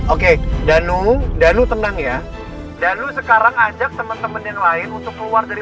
oke danu danu tenang ya dan lu sekarang ajak temen temen yang lain untuk keluar dari